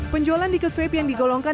penjualan tiket vape yang digolongkan